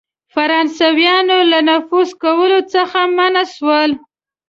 فرانسیویان له نفوذ کولو څخه منع سول.